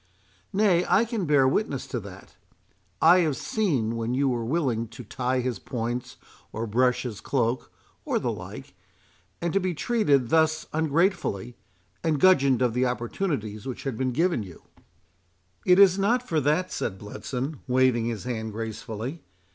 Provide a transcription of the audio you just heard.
"Nay, I can bear witness to that. I have seen when you were willing to tie his points or brush his cloak, or the like—and to be treated thus ungratefully—and gudgeoned of the opportunities which had been given you"— "It is not for that," said Bletson, waving his hand gracefully.